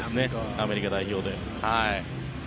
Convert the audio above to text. アメリカ代表で。